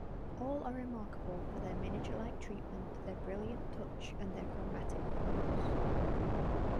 All are remarkable for their miniature-like treatment, their brilliant touch, and their chromatic force.